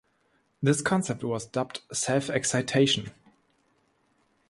This concept was dubbed self-excitation.